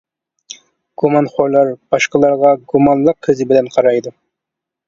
-گۇمانخورلار باشقىلارغا گۇمانلىق كۆزى بىلەن قارايدۇ.